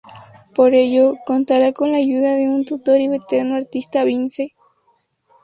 Para ello, contará con la ayuda de un tutor y veterano artista, Vince.